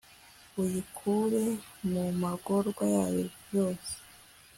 uyikure mu magorwa yayo yose